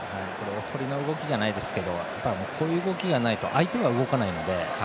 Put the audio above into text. おとりの動きじゃないですけどこういう動きがないと相手が動かないので。